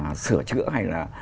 để mà sửa chữa hay là